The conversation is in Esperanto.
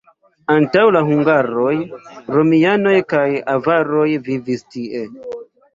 Antaŭ la hungaroj, romianoj kaj avaroj vivis tie.